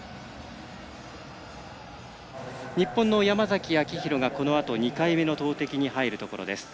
日本の山崎晃裕がこのあと２回目の投てきに入るところです。